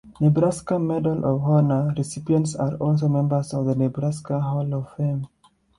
Nebraska Medal of Honor recipients are also members of the Nebraska Hall of Fame.